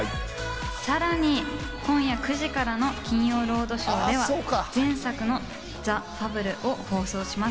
さらに今夜９時からの『金曜ロードショー』では前作の『ザ・ファブル』を放送します。